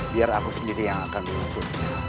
biar aku sendiri yang akan diusutnya